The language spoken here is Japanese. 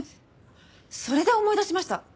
それで思い出しました。